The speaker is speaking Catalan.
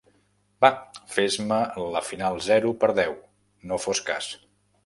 Va, fes-me la final zero per deu, no fos cas.